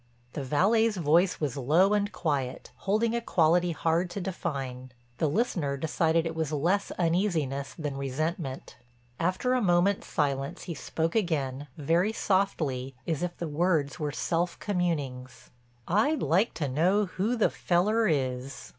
The valet's voice was low and quiet, holding a quality hard to define; the listener decided it was less uneasiness than resentment. After a moment's silence he spoke again, very softly, as if the words were self communings: "I'd like to know who the feller is." Mr.